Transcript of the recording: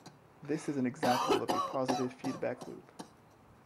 This is an example of a positive feedback loop.